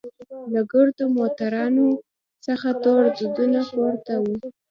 له ګردو موټرانو څخه تور دودونه پورته وو.